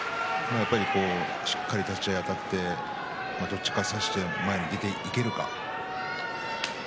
しっかり立ち合いあたってどちらか差して前に出ていけるか。